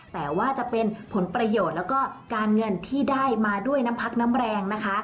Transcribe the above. แต่ว่าจะเป็นผลประโยชน์แล้วก็การเงินที่ได้มาด้วยน้ำพักน้ำแรงนะคะ